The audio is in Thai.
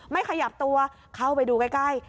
ขยับตัวเข้าไปดูใกล้